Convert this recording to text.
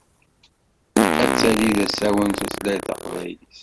Ad tali d asawen tutlayt taqbaylit.